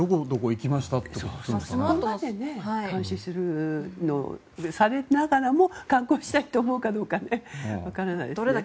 そこまで監視されながらも観光したいと思うかどうか分からないですよね。